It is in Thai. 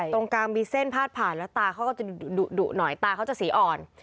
ตรงกลางมีเส้นพาดผ่านแล้วตาเขาก็จะดุหน่อยตาเขาจะสีอ่อน